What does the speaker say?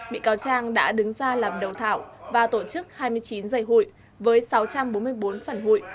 bị cáo trang đã đứng ra làm đầu thảo và tổ chức hai mươi chín dây hụi với sáu trăm bốn mươi bốn phần hụi